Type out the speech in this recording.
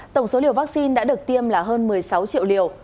tổng số liều vaccine đã được tiêm là hơn một mươi sáu triệu liều